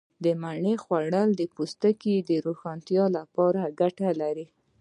مڼې خوړل د پوستکي د روښانتیا لپاره گټه لري.